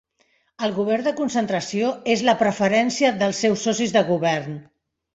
El govern de concentració és la preferència dels seus socis de govern